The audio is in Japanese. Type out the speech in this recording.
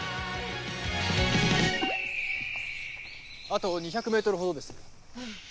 あと２００ｍほどです。